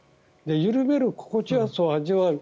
緩める心地よさを味わう。